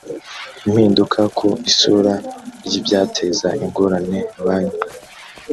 impinduka ku isura ry’ ibyateza ingorane banki